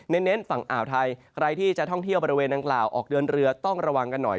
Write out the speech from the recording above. เน้นฝั่งอ่าวไทยใครที่จะท่องเที่ยวบริเวณดังกล่าวออกเดินเรือต้องระวังกันหน่อย